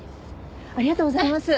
ありがとうございます。